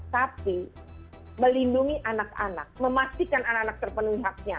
tapi melindungi anak anak memastikan anak anak terpenuhi haknya